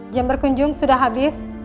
jam berkunjung sudah habis